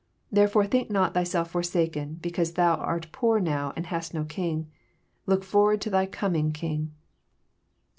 Therefore think not thyself forsaken, because thou art poor now, and hast no king. Look forward to thy coming King.'